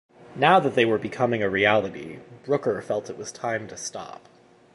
Now that they were becoming a reality, Brooker felt it was time to stop.